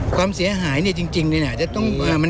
ความเสียหายเนี่ยจริงเนี่ยมันมีพื้นที่อยู่แล้ว